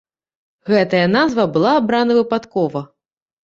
Гэтая назва была абрана выпадкова.